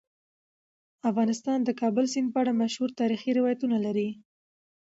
افغانستان د د کابل سیند په اړه مشهور تاریخی روایتونه لري.